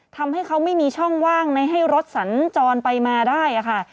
ทำให้เขาไม่มีช่องว่างไม่ให้รถสัญจรไปมาได้ค่ะ